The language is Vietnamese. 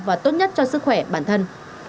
và tốt nhất cho sức khỏe bản thân